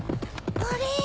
あれ？